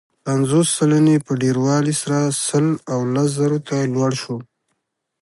پنځوس سلنې په ډېروالي سره سل او لس زرو ته لوړ شو.